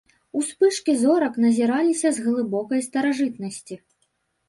Успышкі зорак назіраліся з глыбокай старажытнасці.